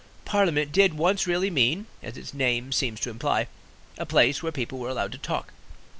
Parliament did once really mean (as its name seems to imply) a place where people were allowed to talk.